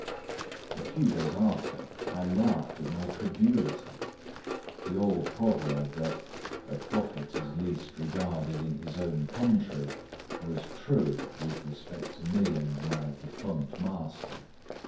A few days after I laughed at my credulity. The old proverb, that "a prophet is least regarded in his own country," was true with respect to me and my defunct master.